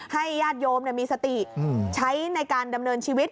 ญาติโยมมีสติใช้ในการดำเนินชีวิต